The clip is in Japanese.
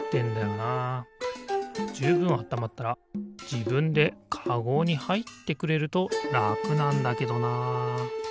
じゅうぶんあったまったらじぶんでかごにはいってくれるとらくなんだけどな。